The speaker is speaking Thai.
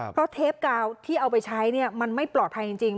เพราะเทปกาวที่เอาไปใช้มันไม่ปลอดภัยจริง